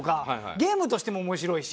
ゲームとしても面白いし。